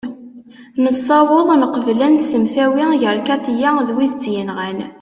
nessaweḍ neqbel ad nsemtawi gar katia d wid i tt-yenɣan